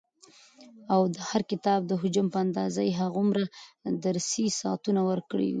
او د هر کتاب د حجم په اندازه يي هغومره درسي ساعتونه ورکړي وي،